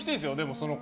その子。